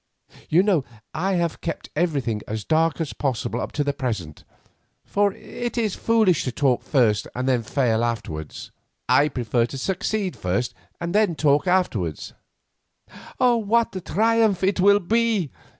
You know I have kept everything as dark as possible up to the present, for it is foolish to talk first and fail afterwards. I prefer to succeed first and talk afterwards." "What a triumph it will be!"